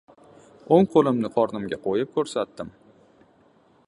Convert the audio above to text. O‘ng qo‘limni qornimga qo‘yib ko‘rsatdim.